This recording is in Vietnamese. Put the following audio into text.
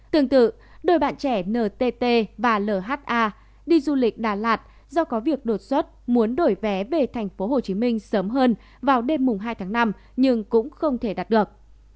tương tự đôi bạn trẻ ntt và lha đi du lịch đà lạt do có việc đột xuất muốn đổi vé về tp hcm sớm hơn vào đêm mùng hai tháng năm nhưng cũng không thể đặt được